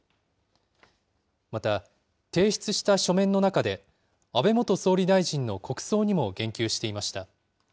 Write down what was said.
また、提出した書面の中で、安倍元総理大臣の国葬にも言及していました。